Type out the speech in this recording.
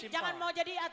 jangan mau jadi atta halilu